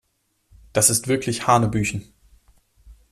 Das ist wirklich hanebüchen.